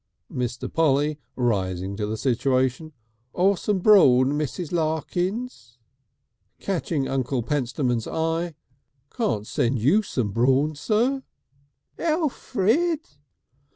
Mr. Polly rising to the situation. "Or some brawn, Mrs. Larkins?" Catching Uncle Pentstemon's eye: "Can't send you some brawn, sir?" "Elfrid!"